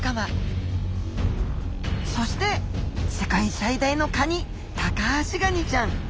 そして世界最大のカニタカアシガニちゃん。